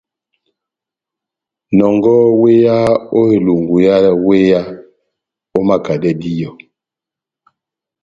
Nɔngɔhɔ wéya ó elungu yá wéya, omakadɛ díyɔ.